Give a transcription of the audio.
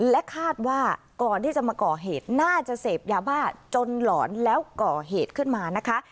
และคาดว่าก่อนที่จะมาก่อเหตุน่าจะเสพยาบ้าจนหลอนแล้วก่อเหตุขึ้นมานะคะ